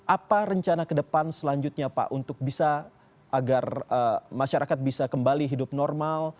apa rencana ke depan selanjutnya pak untuk bisa agar masyarakat bisa kembali hidup normal